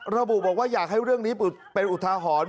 ระบุบอกว่าอยากให้เรื่องนี้เป็นอุทาหรณ์